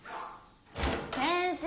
先生